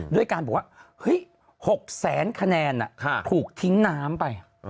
ด้วยการบอกว่าเฮ้ย๖แสนคะแนนถูกทิ้งน้ำไป